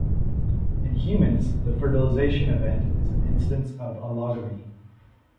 In humans, the fertilization event is an instance of allogamy.